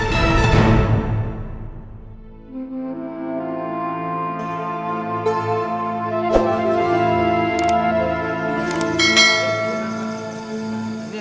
jangan lupa joko tingkir